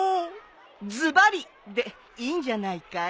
「ズバリ！」でいいんじゃないかい。